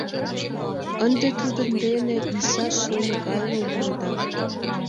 Ынде тудын дене иза-шольо гае улыда.